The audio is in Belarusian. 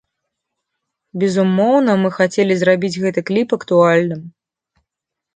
Безумоўна, мы хацелі зрабіць гэты кліп актуальным.